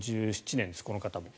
１７年です、この方も。